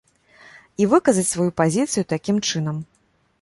І выказаць сваю пазіцыю такім чынам.